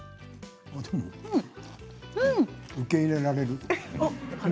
受け入れられる。